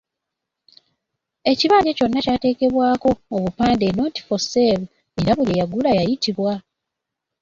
Ekibanja kyonna kyateekebwako obupande 'not for sale' era buli eyagula yayitibwa.